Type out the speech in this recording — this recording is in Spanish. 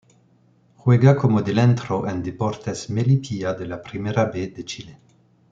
Juega como delantero en Deportes Melipilla de la Primera B de Chile.